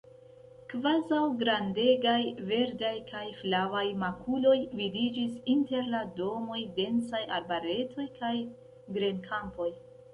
Kvazaŭ grandegaj verdaj kaj flavaj makuloj, vidiĝis inter la domoj densaj arbaretoj kaj grenkampoj.